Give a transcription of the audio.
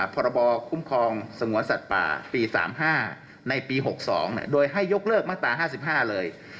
พรบคุ้มครองสงวนสัตว์ป่าปี๓๕ในปี๖๒โดยให้ยกเลิกมาตรา๕๕เลย